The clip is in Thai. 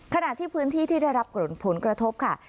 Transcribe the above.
ขณะที่พื้นที่ที่ได้รับผลกระทบค่ะ